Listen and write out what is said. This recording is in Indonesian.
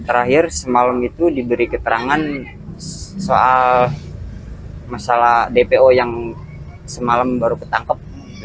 terakhir semalam itu diberi keterangan soal masalah dpo yang semalam baru ketangkep